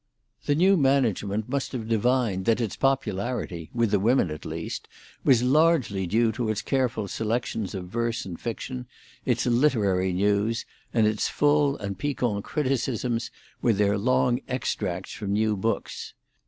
The new management must have divined that its popularity, with the women at least, was largely due to its careful selections of verse and fiction, its literary news, and its full and piquant criticisms, with their long extracts from new books.